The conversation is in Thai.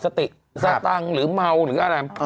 สติสตังค์หรือเมาหรืออะไร